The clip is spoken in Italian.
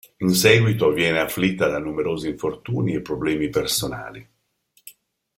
In seguito viene afflitta da numerosi infortuni e problemi personali.